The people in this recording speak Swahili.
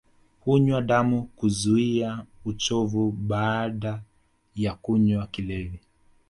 Hunywa damu kuzuia uchovu baada ya kunywa kilevi